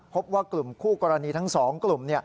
พบว่ากลุ่มคู่กรณีทั้ง๒กลุ่ม